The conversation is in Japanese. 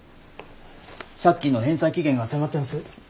借金の返済期限が迫ってます。